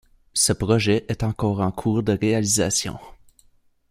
Ce projet est encore en cours de réalisation.